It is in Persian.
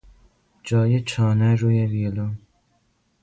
جای چانه روی ویولن